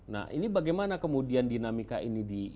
nah ini bagaimana kemudian dinamika ini di